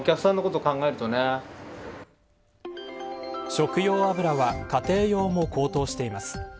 食用油は家庭用も高騰しています。